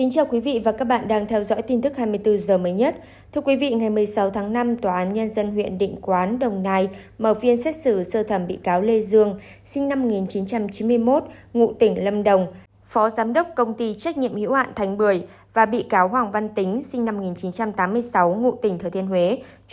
chào mừng quý vị đến với bộ phim hãy nhớ like share và đăng ký kênh của chúng mình nhé